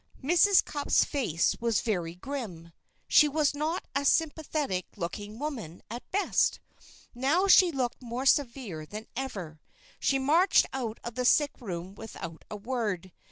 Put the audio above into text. Mrs. Cupp's face was very grim. She was not a sympathetic looking woman at best. Now she looked more severe than ever. She marched out of the sick room without a word.